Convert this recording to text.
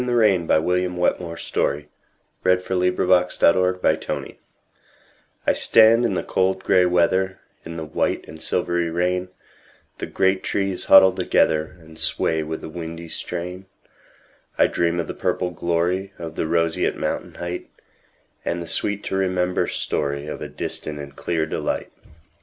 William Wetmore Story 1819–1895 William Wetmore Story 123 In the Rain I STAND in the cold gray weather, In the white and silvery rain; The great trees huddle together, And sway with the windy strain.I dream of the purple gloryOf the roseate mountain heightAnd the sweet to remember storyOf a distant and clear delight.